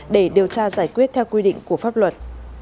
để điều tra giải quyết theo quy định của pháp luật